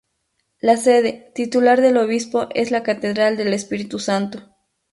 La sede titular del obispo es la Catedral del Espíritu Santo.